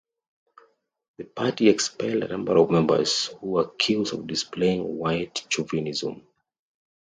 The Party expelled a number of members who were accused of displaying "white chauvinism".